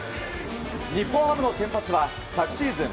日本ハムの先発は昨シーズン